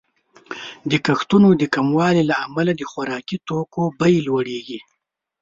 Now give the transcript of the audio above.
د کښتونو د کموالي له امله د خوراکي توکو بیې لوړیږي.